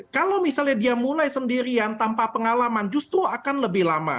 kalau misalnya dia mulai sendirian tanpa pengalaman justru akan lebih lama